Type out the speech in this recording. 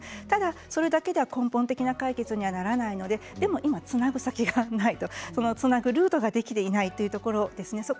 ただ、それだけでは根本的な解決にはならないので今つなぐ先がないそのつなぐルートができていないというところですね